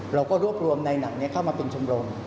เราก็รวบรวมในหนังนี้เข้ามาเป็นชมรม